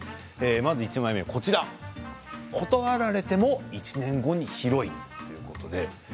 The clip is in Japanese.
まず１枚目は断られても１年後にヒロインということで。